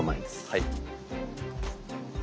はい。